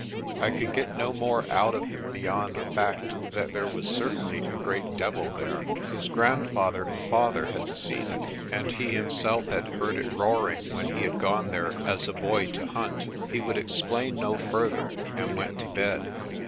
I could get no more out of him beyond the fact that there was certainly a great devil there. His grandfather and father had seen it, and he himself had heard it roaring when he had gone there as a boy to hunt. He would explain no further, and went to bed.